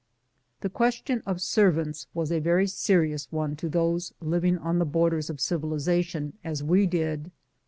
The question of servants was a very serious one to those living on the borders of civilization as we did.